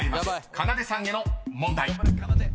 かなでさんへの問題］